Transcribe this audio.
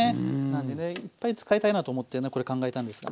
なんでねいっぱい使いたいなと思ってこれ考えたんです。